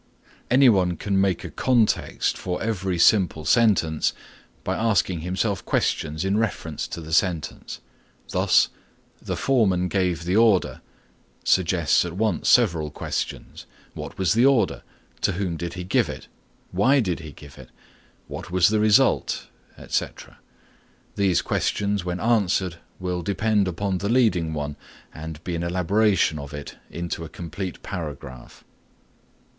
Anyone can make a context for every simple sentence by asking himself questions in reference to the sentence. Thus "The foreman gave the order" suggests at once several questions; "What was the order?" "to whom did he give it?" "why did he give it?" "what was the result?" etc. These questions when answered will depend upon the leading one and be an elaboration of it into a complete paragraph.